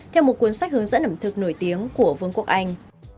theo một cuốn sách hướng dẫn ẩm thực nổi tiếng của vương quốc anh